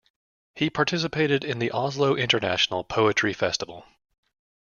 He participated in the Oslo International Poetry Festival.